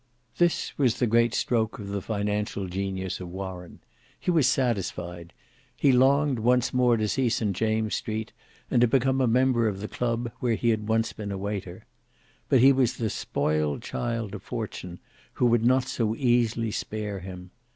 This was the great stroke of the financial genius of Warren. He was satisfied. He longed once more to see St James's Street, and to become a member of the club, where he had once been a waiter. But he was the spoiled child of fortune, who would not so easily spare him.